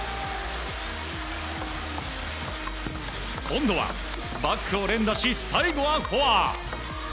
今度はバックを連打し最後はフォア！